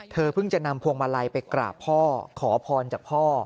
เพิ่งจะนำพวงมาลัยไปกราบพ่อขอพรจากพ่อ